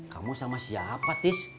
kamu sama siapa tis